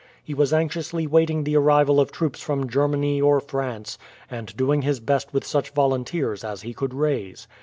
He was anxiously waiting the arrival of troops from Germany or France, and doing his best with such volunteers as he could raise.